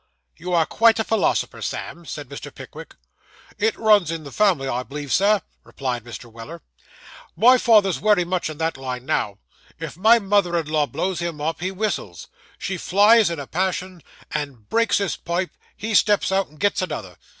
'You are quite a philosopher, Sam,' said Mr. Pickwick. 'It runs in the family, I b'lieve, sir,' replied Mr. Weller. 'My father's wery much in that line now. If my mother in law blows him up, he whistles. She flies in a passion, and breaks his pipe; he steps out, and gets another.